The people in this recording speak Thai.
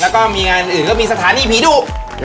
แล้วก็มีงานอื่นก็มีสถานีผีดุ